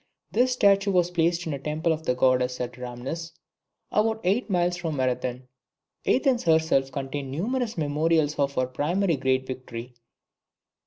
This statue was placed in a temple of the goddess at Rhamnus, about eight miles from Marathon, Athens herself contained numerous memorials of her primary great victory.